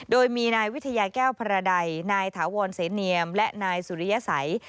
โดยมีนายวิทยาแก้วพระใดนายถาวรเสนียมและนายสุริยสัย